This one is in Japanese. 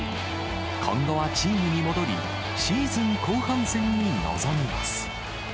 今後はチームに戻り、シーズン後半戦に臨みます。